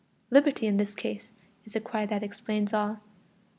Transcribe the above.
Liberty in this case is the cry that explains all.